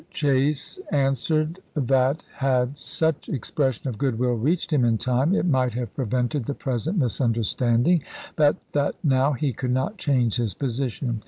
Chase answered that had THE KESIGNATION OF MR. CHASE 99 such expression of good will reached him in time it chap. iv. might have prevented the present misunderstand ing, but that now he could not change his position.